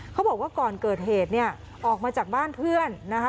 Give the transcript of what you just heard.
เขาบอกว่าก่อนเกิดเหตุออกมาจากบ้านเพื่อน